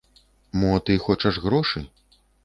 Мо ты хочаш грошы?